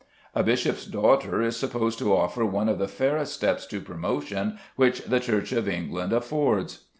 A bishop's daughter is supposed to offer one of the fairest steps to promotion which the Church of England affords.